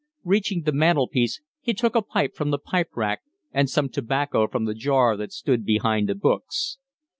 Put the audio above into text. Reaching the mantel piece, he took a pipe from the pipe rack and some tobacco from the jar that stood behind the books.